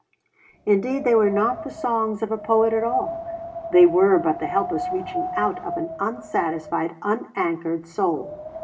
Indeed they were not the songs of a poet at all; they were but the helpless reaching out of an unsatisfied, unanchored soul.